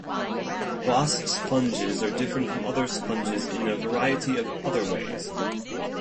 Glass sponges are different from other sponges in a variety of other ways.